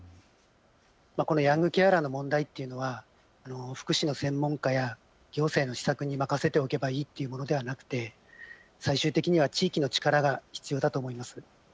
このヤングケアラーの問題というのは福祉の専門家や行政の施策に任せておけばいいというのではなくて最終的には地域の力が必要だと思うんです。